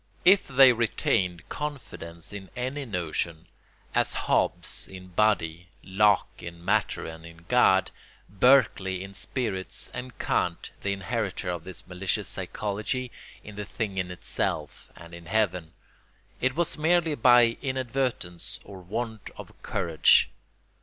If they retained confidence in any notion—as Hobbes in body, Locke in matter and in God, Berkeley in spirits, and Kant, the inheritor of this malicious psychology, in the thing in itself and in heaven—it was merely by inadvertence or want of courage.